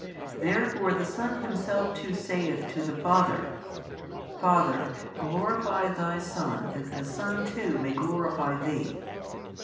Therefore the Son Himself too saith to the Father, Father, glorify Thy Son that the Son too may glorify Thee.